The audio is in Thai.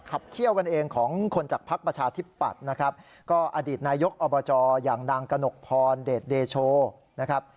เขี้ยวกันเองของคนจากพักประชาธิปัตย์นะครับก็อดีตนายกอบจอย่างนางกระหนกพรเดชเดโชนะครับ